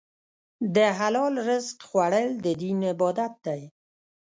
د حلال رزق خوړل د دین عبادت دی.